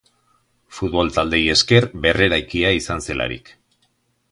Futbol taldeei esker berreraikia izan zelarik.